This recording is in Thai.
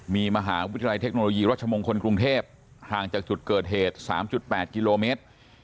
มีมหาวิทยาลัยเทคโนโลยีรัชมงคลกรุงเทพห่างจากจุดเกิดเหตุ๓๘กิโลเมตร